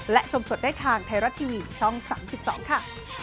และชมสดได้ทางไทยรัฐทีวีช่อง๓๒ค่ะ